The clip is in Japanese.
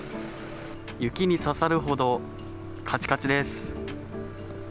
雪に刺さるほどかちかちです。